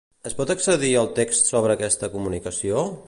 Es pot accedir al text sobre aquesta comunicació?